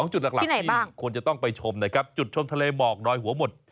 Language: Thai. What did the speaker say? จุดหลักที่ควรจะต้องไปชมนะครับจุดชมทะเลหมอกดอยหัวหมด